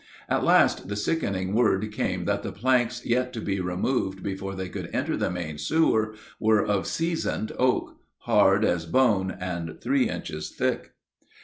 At last the sickening word came that the planks yet to be removed before they could enter the main sewer were of seasoned oak hard as bone, and three inches thick.